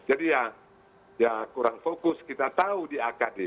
jadi ya kurang fokus kita tahu di akd